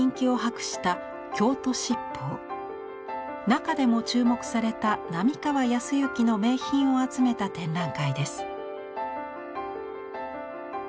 中でも注目された並河靖之の名品を集めた展覧会です。